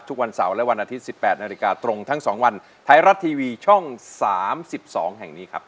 ทุกวันเสาร์และวันอาทิตย์๑๘นาฬิกาตรงทั้ง๒วันไทยรัฐทีวีช่อง๓๒แห่งนี้ครับ